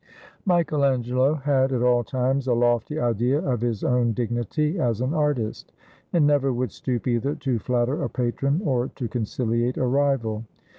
] Michael Angelo had at all times a lofty idea of his own dignity as an artist, and never would stoop either to flatter a patron or to conciliate a rival.